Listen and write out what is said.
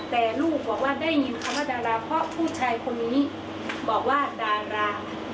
แต่ลูกบอกว่าได้ยินคำว่าดาราเพราะผู้ชายคนนี้บอกว่าดารา